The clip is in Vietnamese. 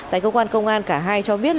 tại cơ quan công an cả hai cho biết